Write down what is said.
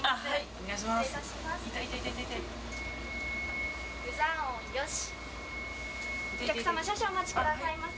お願いします。